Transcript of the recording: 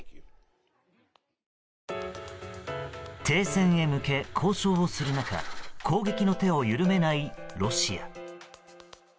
停戦へ向け、交渉をする中攻撃の手を緩めないロシア。